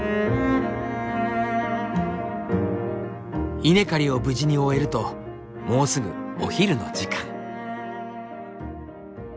稲刈りを無事に終えるともうすぐお昼の時間。